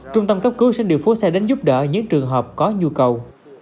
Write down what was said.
trung tâm cấp cứu sẽ điều phố xe đến giúp đỡ những trường hợp có nhu cầu